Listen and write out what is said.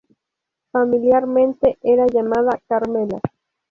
Familiarmente, era llamada "Carmela".